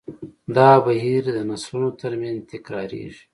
دا بهیر د نسلونو تر منځ تکراریږي.